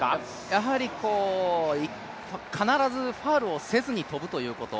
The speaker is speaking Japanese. やはり必ずファウルをせずに跳ぶということ。